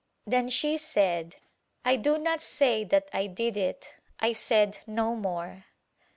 Then she said, "I do not say that I did it — I said no more."